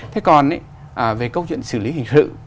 thế còn về câu chuyện xử lý hình sự